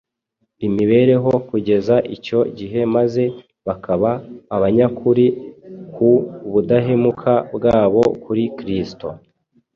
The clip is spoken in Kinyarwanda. imibereho kugeza icyo gihe maze bakaba abanyakuri ku budahemuka bwabo kuri Kristo.